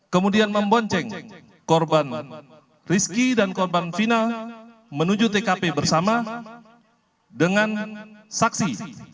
kemudian membonceng korban rizki dan korban final menuju tkp bersama dengan saksi